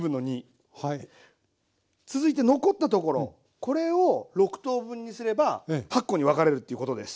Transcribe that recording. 続いて残ったところこれを６等分にすれば８個に分かれるっていうことです。